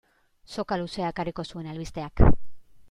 Soka luzea ekarriko zuen albisteak.